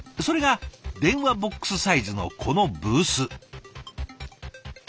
それが電話ボックスサイズのこのブース。